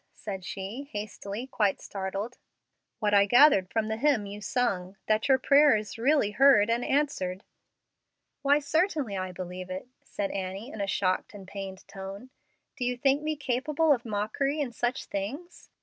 said she, hastily, quite startled. "What I gathered from the hymn you sung that your prayer is really heard and answered?" "Why, certainly I believe it," said Annie, in a shocked and pained tone. "Do you think me capable of mockery in such things?